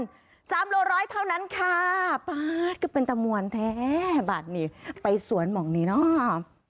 สามโลร้อยเท่านั้นค่ะป๊าดก็เป็นตะมวลแท้บาทนี้ไปสวนหม่องนี้เนาะ